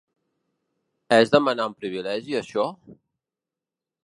És demanar un privilegi això?